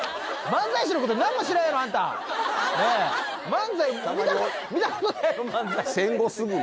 漫才見たことないやろ漫才